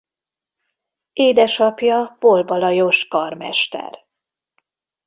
Édesapja Bolba Lajos karmester.